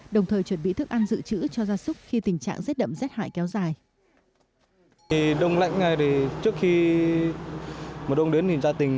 đồng thời chuẩn bị thức ăn dự trữ cho gia súc khi tình trạng rét đậm rét hại kéo dài